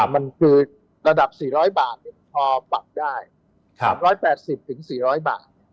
มันคือระดับ๔๐๐บาทพอปรับได้๓๘๐๔๐๐บาท